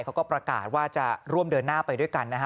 เขาก็ประกาศว่าจะร่วมเดินหน้าไปด้วยกันนะฮะ